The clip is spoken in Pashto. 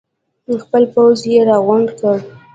خپل پوځ یې راغونډ کړ.